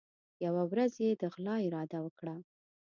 یوه ورځ یې د غلا اراده وکړه.